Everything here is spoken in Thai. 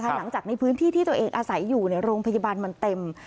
หลังจากในพื้นที่ที่ตัวเองอาศัยอยู่โรงพยาบาลมันเต็ม